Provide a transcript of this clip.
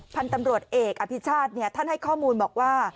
พันธุ์ตำรวจเอกอภิชาติท่านให้ข้อมูลบอกว่า